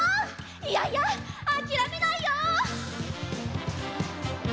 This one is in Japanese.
いやいやあきらめないよ！